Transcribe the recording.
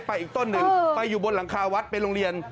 อีกต้นหนึ่งไปอยู่บนหลังคาวัดไปโรงเรียน